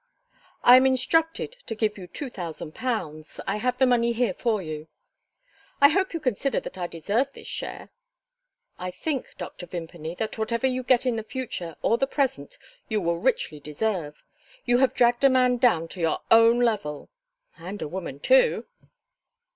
"I am instructed to give you two thousand pounds. I have the money here for you." "I hope you consider that I deserve this share?" "I think, Dr. Vimpany, that whatever you get in the future or the present you will richly deserve. You have dragged a man down to your own level " "And a woman too."